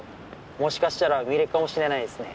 もしかしたら見れるかもしれないですね。